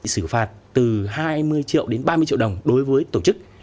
xử phạt từ hai mươi triệu đến ba mươi triệu đồng đối với tổ chức